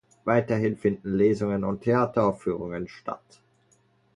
Weiterhin finden Lesungen und Theateraufführungen statt.